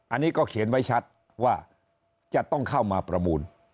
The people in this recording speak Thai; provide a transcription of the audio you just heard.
อันนี้ก็เขียนไว้ชัดว่าจะต้องเข้ามาประมูล